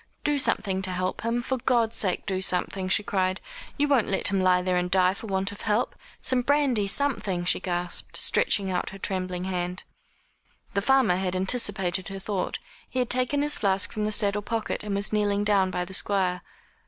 "Do something to help him for God's sake do something," she cried; "you won't let him lie there and die for want of help. Some brandy something," she gasped, stretching out her trembling hand. The farmer had anticipated her thought. He had taken his flask from the saddle pocket, and was kneeling down by the Squire.